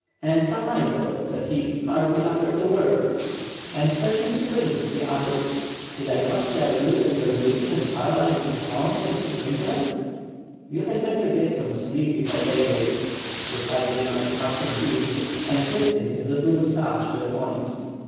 "And Pan Michael," said he, *Tiardly utters a word," and turning to the princess, he added: "Did I not tell you that your beauty had paralyzed his tongue and his intellect." "You had better get some sleep before daybreak," replied the knight, much confused, and twisting his little moustache to a point.